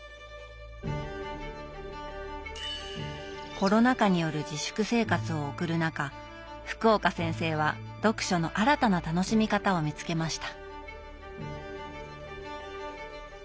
コロナ禍による自粛生活を送る中福岡先生は読書の新たな楽しみ方を見つけました。